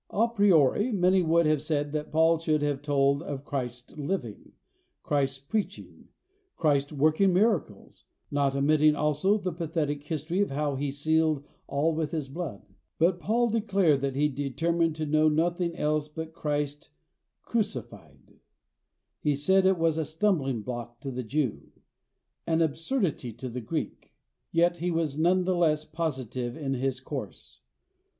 A priori, many would have said that Paul should have told of Christ living, Christ preaching, Christ working miracles, not omitting also the pathetic history of how he sealed all with his blood; but Paul declared that he determined to know nothing else but Christ crucified. He said it was a stumbling block to the Jew, an absurdity to the Greek; yet he was none the less positive in his course.